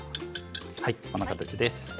こんな形です。